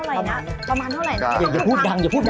แล้วก็เลยแบบเอ๊ะลองคุยกับแฟนล่ะ